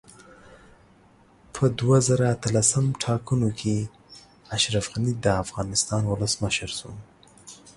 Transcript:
په دوه زره اتلسم ټاکنو کې اشرف غني دا افغانستان اولسمشر شو